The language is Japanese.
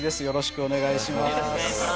よろしくお願いします。